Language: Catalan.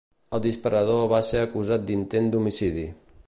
El disparador va ser acusat d'intent d'homicidi.